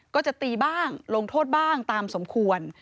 ก็จะตีบ้างลงโทษบ้างตามสมควร